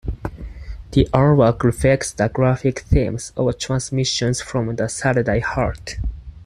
The artwork reflects the graphic themes of "Transmissions from the Satellite Heart".